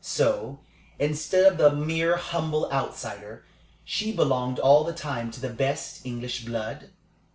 So, instead of the mere humble outsider, she belonged all the time to the best English blood?